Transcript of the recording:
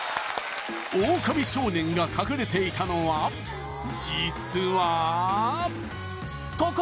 オオカミ少年が隠れていたのは実はここ！